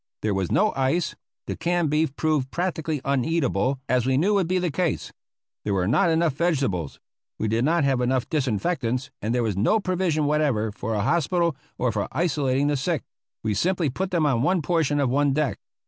There was no ice. The canned beef proved practically uneatable, as we knew would be the case. There were not enough vegetables. We did not have enough disinfectants, and there was no provision whatever for a hospital or for isolating the sick; we simply put them on one portion of one deck.